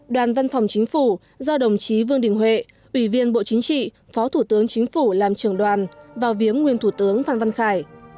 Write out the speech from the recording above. đoàn văn phòng chính phủ do đồng chí vương đình huệ ủy viên bộ chính trị phó thủ tướng chính phủ làm trường đoàn vào viếng nguyên thủ tướng phan văn khải